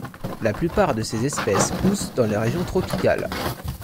La plupart de ces espèces poussent dans les régions tropicales.